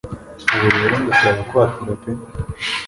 Ubu rero ndabasaba kwatura pe